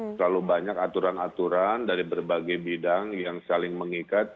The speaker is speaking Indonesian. terlalu banyak aturan aturan dari berbagai bidang yang saling mengikat